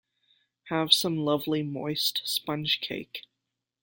Have some lovely moist sponge cake.